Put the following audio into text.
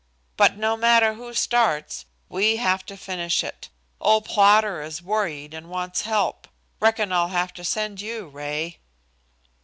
"But no matter who starts, we have to finish it. Old Plodder is worried and wants help. Reckon I'll have to send you, Ray."